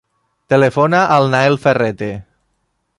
Telefona al Nael Ferrete.